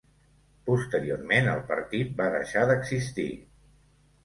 Posteriorment el partit va deixar d'existir.